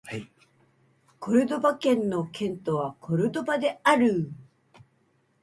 コルドバ県の県都はコルドバである